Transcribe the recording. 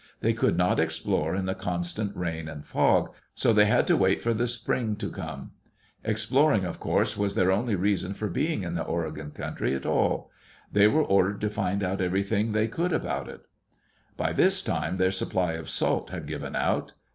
They could not explore in the constant rain and fog, so they had to wait for the spring to come. Exploring, of course, was their only reason for being in the Oregon country at Digitized by CjOOQ IC EARLY DAYS IN OLD OREGON all. They were ordered to find out everything they could about it. By this time their supply of salt had given out.